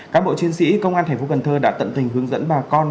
các bộ chiến sĩ công an thành phố cần thơ đã tận tình hướng dẫn bà con